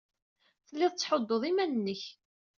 Tellid tettḥuddud iman-nnek.